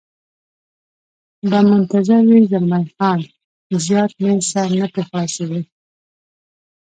به منتظر وي، زلمی خان: زیات مې سر نه په خلاصېږي.